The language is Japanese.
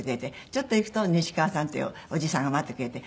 ちょっと行くとニシカワさんっていうおじさんが待ってくれて。